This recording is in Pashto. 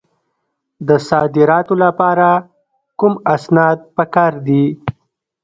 د صادراتو لپاره کوم اسناد پکار دي؟